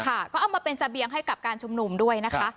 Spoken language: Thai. ค่ะก็เอามาเป็นเสบียงให้กับการชุมนุมด้วยนะคะ